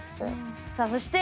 さあそして